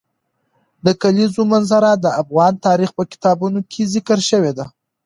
د کلیزو منظره د افغان تاریخ په کتابونو کې ذکر شوی دي.